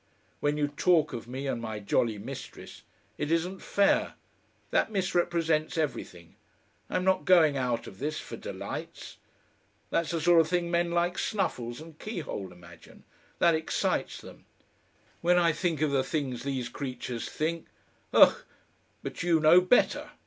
When you talk of me and my jolly mistress, it isn't fair. That misrepresents everything. I'm not going out of this for delights. That's the sort of thing men like Snuffles and Keyhole imagine that excites them! When I think of the things these creatures think! Ugh! But YOU know better?